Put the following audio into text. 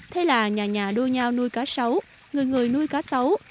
thế là nhà nhà đua nhau nuôi cá sấu người người nuôi cá sấu